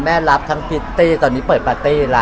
รับทั้งพิตตี้ตอนนี้เปิดปาร์ตี้แล้ว